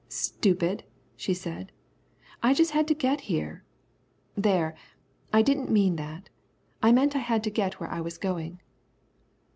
"Stupid," she said, "I've just had to get here, there, I didn't mean that. I meant I had to get where I was going."